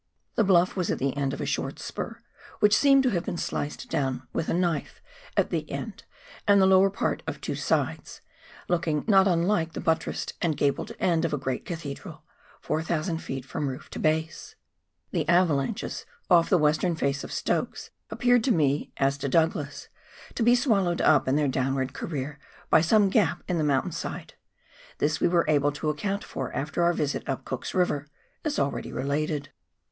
The bluif was at the end of a short spur, which seemed to have been sliced down with a knife at the end and the lower part of two sides, looking not unlike the but tressed and gabled end of a great cathedral, 4,000 ft. from roof to base. The avalanches off the western face of Stokes appeared to me, as to Douglas, to be swallowed up in their downward career by some gap in the mountain side. This we were able to account for after our visit up Cook's River, as already related.